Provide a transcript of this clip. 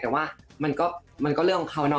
แต่ว่ามันก็เรื่องของเขาเนาะ